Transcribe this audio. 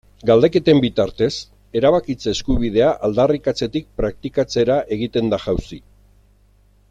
Galdeketen bitartez, erabakitze eskubidea aldarrikatzetik praktikatzera egiten da jauzi.